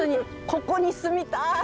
ここに住みたい。